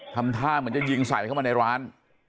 ทำท่าเหมือนจะยิงใส่เข้ามาในร้าน